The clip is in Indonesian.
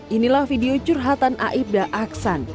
inilah video curhatan aibda aksan